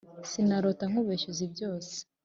sinarota nkubeshya uzi byose